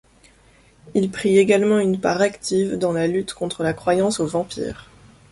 Il prit également une part active dans la lutte contre la croyance aux vampires.